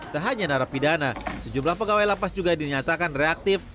tak hanya narapidana sejumlah pegawai lapas juga dinyatakan reaktif